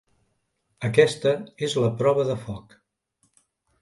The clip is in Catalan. Aquesta és la prova de foc.